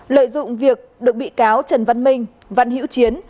lợi dụng việc được bị cáo trần văn minh văn hiễu chiến